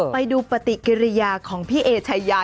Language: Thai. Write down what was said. ไปดูปฏิกิริยาของพี่เอชายา